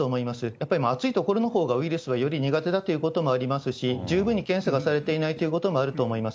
やっぱりもう暑い所のほうがウイルスはより苦手だということもありますし、十分に検査がされていないということもあると思います。